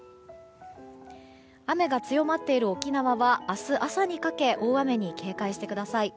雨が強まっている沖縄は明日朝にかけて大雨に警戒してください。